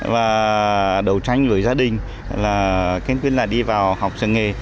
và đầu tranh với gia đình là kênh quyên là đi vào họp trường nghề